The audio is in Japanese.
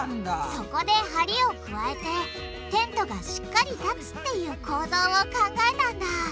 そこで梁を加えてテントがしっかり立つっていう構造を考えたんだ。